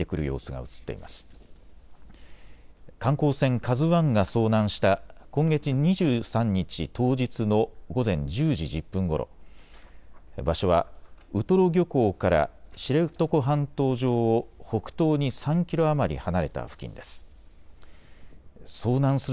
ＫＡＺＵＩが遭難した今月２３日当日の午前１０時１０分ごろ、場所はウトロ漁港から知床半島上を北東に３キロ余り離れた付近です。